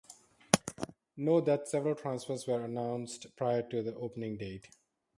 Note that several transfers were announced prior to the opening date.